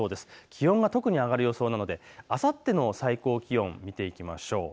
気温が特に上がる予想なのであさっての最高気温を見ていきましょう。